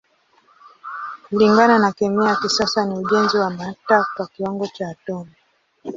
Kulingana na kemia ya kisasa ni ujenzi wa mata kwa kiwango cha atomi.